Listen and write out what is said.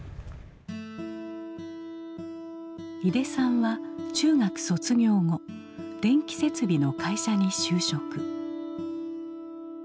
井手さんは中学卒業後電気設備の会社に就職。